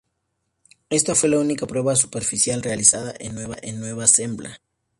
Esta fue la única prueba superficial realizada en Nueva Zembla.